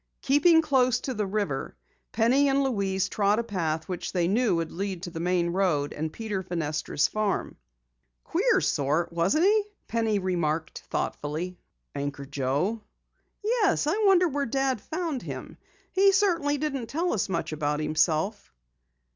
Keeping close to the river, Penny and Louise trod a path which they knew would lead to the main road and Peter Fenestra's farm. "Queer sort, wasn't he?" Penny remarked thoughtfully. "Anchor Joe?" "Yes, I wonder where Dad found him? He certainly didn't tell us much about himself."